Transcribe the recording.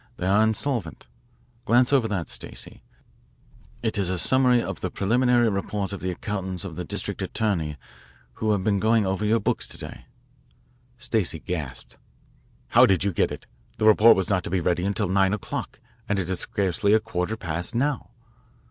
They are insolvent. Glance over that, Stacey. It is a summary of the preliminary report of the accountants of the district attorney who have been going over your books to day." Stacey gasped. "How did you get it? The report was not to be ready until nine o'clock, and it is scarcely a quarter past now."